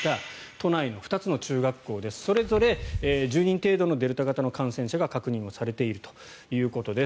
都内の２つの中学校でそれぞれ１０人程度のデルタ型の感染者が確認されているということです。